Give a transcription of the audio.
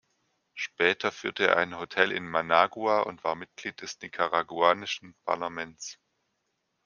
Später führte er ein Hotel in Managua und war Mitglied des nicaraguanischen Parlaments.